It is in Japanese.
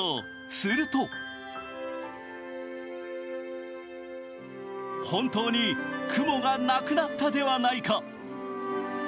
すると本当に雲がなくなったではないか。